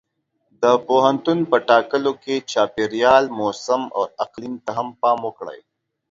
د پوهنتون په ټاکلو کې چاپېریال، موسم او اقلیم ته هم پام وکړئ.